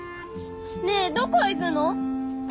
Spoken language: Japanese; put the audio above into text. ねえどこ行くの！？